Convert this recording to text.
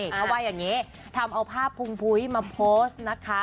เขาว่าอย่างนี้ทำเอาภาพพุงพุ้ยมาโพสต์นะคะ